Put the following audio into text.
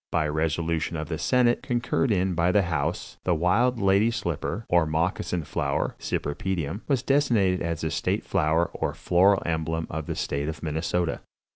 By resolution of the senate, concurred in by the house (?), the Wild Lady Slipper, or Moccasin Flower (Cypripedium) was designated as the state flower or floral emblem of the State of Minnesota."